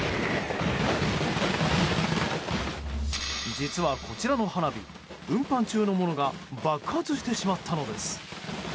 実は、こちらの花火運搬中のものが爆発してしまったのです。